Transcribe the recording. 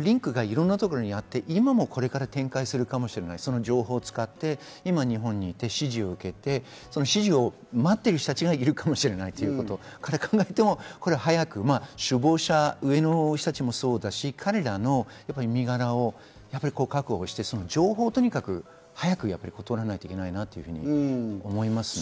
リンクがいろんなところにあって、今もこれから展開するかもしれない、その情報を使って今、日本に行って指示を受けて待っている人がいるかもしれないということから考えても早く首謀者、上の人たちもそうだし、彼らの身柄を確保して情報をとにかく早く取らないといけないなと思います。